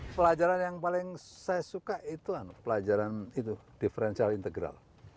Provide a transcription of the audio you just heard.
pelajaran yang paling saya suka itu pelajaran itu differential integral